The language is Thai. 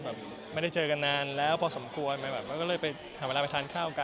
แบบไม่ได้เจอกันนานแล้วพอสมควรก็เลยไปหาเวลาไปทานข้าวกัน